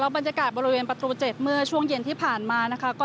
บรรยากาศบริเวณประตู๗เมื่อช่วงเย็นที่ผ่านมานะคะ